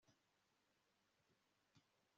Yibwira ko ahora ari ukuri